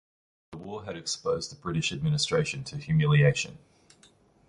The war had exposed the British administration to humiliation.